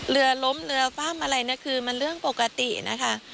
เรือล้มเรือฟ่ามอะไรเนี่ยคือมันเรื่องปกตินะคะ